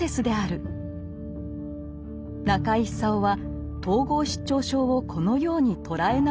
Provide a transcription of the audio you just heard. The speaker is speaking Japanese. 中井久夫は統合失調症をこのように捉え直したのです。